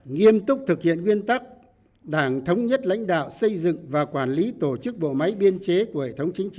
nghiêm túc thực hiện nguyên tắc đảng thống nhất lãnh đạo xây dựng và quản lý tổ chức bộ máy biên chế của hệ thống chính trị